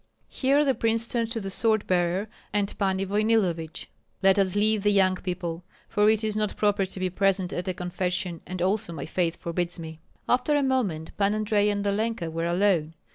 Here the prince turned to the sword bearer and Pani Voynillovich: "Let us leave the young people, for it is not proper to be present at a confession, and also my faith forbids me." After a moment Pan Andrei and Olenka were alone.